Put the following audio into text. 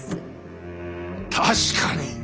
確かに。